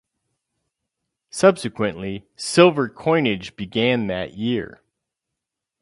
Subsequently, silver coinage began that year.